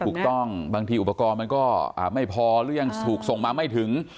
บางทีอุปกรณ์มันก็ไม่พอหรือยังถูกส่งมาไม่ถึง